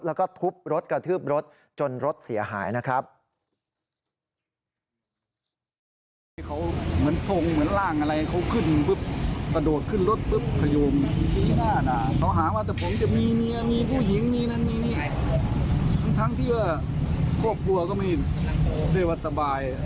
แล้วก็ทุบรถกระทืบรถจนรถเสียหายนะครับ